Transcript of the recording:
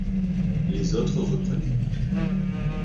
Les autres reprenaient.